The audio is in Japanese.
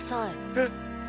えっ！